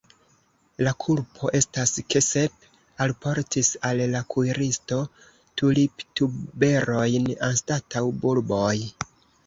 La kulpo estas ke Sep alportis al la kuiristo tuliptuberojn anstataŭ bulboj.